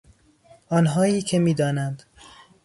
آنهایی که میدانند